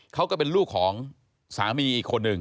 เขาก็เป็นลูกของสามีอีกคนหนึ่ง